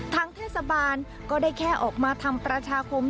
ทางเทศบาลก็ได้แค่ออกมาทำประชาคม